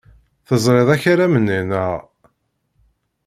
Teẓrid akaram-nni, naɣ?